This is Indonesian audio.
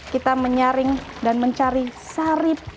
kita menyaring dan mencari sari patuh